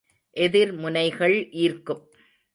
எதிர் முனைகள் ஈர்க்கும்.